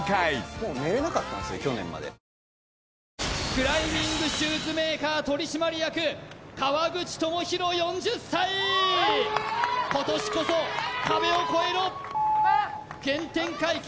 クライミングシューズメーカー取締役川口朋広４０歳今年こそ壁を超えろ原点回帰